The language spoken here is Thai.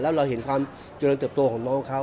แล้วเราเห็นความเจริญเติบโตของน้องเขา